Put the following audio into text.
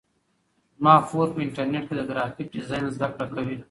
زما خور په انټرنیټ کې د گرافیک ډیزاین زده کړه کوي.